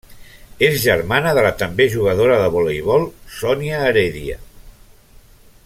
És germana de la també jugadora de voleibol Sonia Heredia.